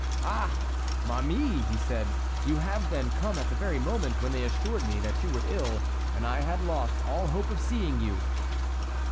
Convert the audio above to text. "Ah, ma mie!" he said, "you have, then, come at the very moment when they assured me that you were ill, and I had lost all hope of seeing you."